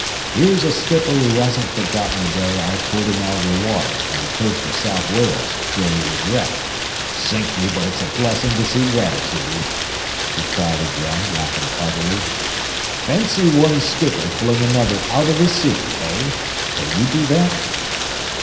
Here's a skipper who hasn't forgotten the day I pulled him out of the water on the coast of South Wales, where he was wrecked. Sink me, but it's a blessing to see gratitude," he cried again, laughing heartily. "Fancy one skipper pulling another out of the sea, hey? Can you do that?"